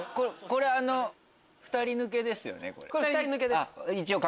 これ２人抜けです。